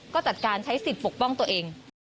ก็จัดการใช้สิทธิ์ปกป้องตัวเอง